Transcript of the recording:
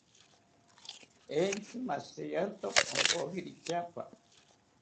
Entzi mashirianto ompojiri tyaapa